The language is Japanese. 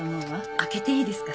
開けていいですか？